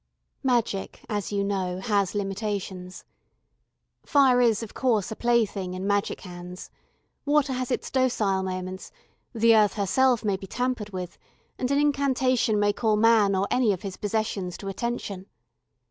Magic, as you know, has limitations. Fire is of course a plaything in magic hands. Water has its docile moments, the earth herself may be tampered with, and an incantation may call man or any of his possessions to attention.